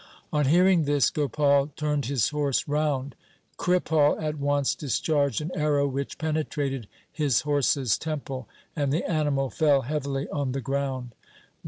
On hearing this Gopal turned his horse round. Kripal at once discharged an arrow, which penetrated his horse's temple, and the animal fell heavily on the ground.